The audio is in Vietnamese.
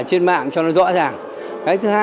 trên mạng cho nó rõ ràng cái thứ hai